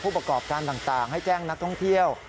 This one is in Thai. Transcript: ประกอบการต่างให้แจ้งนักท่องเที่ยว